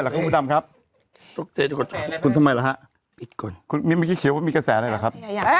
ห้ะทำไมล่ะคุณผู้ดำครับ